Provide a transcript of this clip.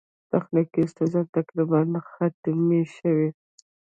تخنیکي ستونزې تقریباً ختمې شوې.